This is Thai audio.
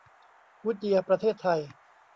กู๊ดเยียร์ประเทศไทย